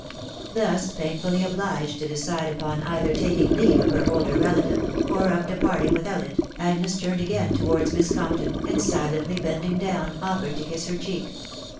Thus painfully obliged to decide upon either taking leave of her older relative, or of departing without it, Agnes turned again towards Miss Compton, and silently bending down, offered to kiss her cheek.